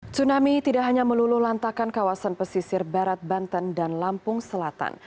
tsunami tidak hanya meluluh lantakan kawasan pesisir barat banten dan lampung selatan